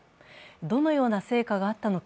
どのような成果かあったのか。